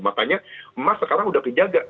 makanya emas sekarang sudah kejaga